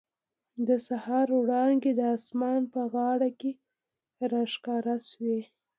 د سهار وړانګې د اسمان په غاړه کې را ښکاره شوې.